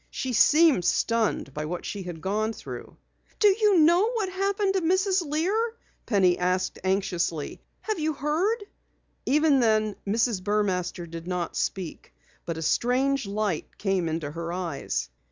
She seemed stunned by what she had gone through. "Do you know what happened to Mrs. Lear?" Penny asked anxiously. "Have you heard?" Even then Mrs. Burmaster did not speak. But a strange light came into her eyes.